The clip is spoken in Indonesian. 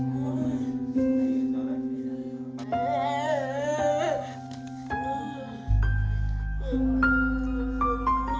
di vermont prebacaagang benar pengacaranya